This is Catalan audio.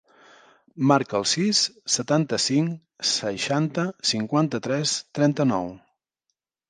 Marca el sis, setanta-cinc, seixanta, cinquanta-tres, trenta-nou.